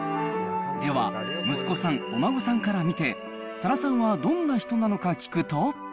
では、息子さん、お孫さんから見て、多良さんはどんな人なのか聞くと。